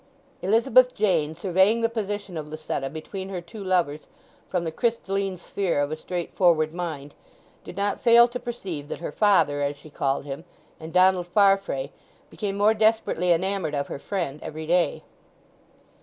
Elizabeth Jane, surveying the position of Lucetta between her two lovers from the crystalline sphere of a straightforward mind, did not fail to perceive that her father, as she called him, and Donald Farfrae became more desperately enamoured of her friend every day.